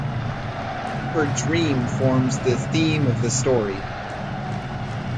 Her dream forms the theme of the story.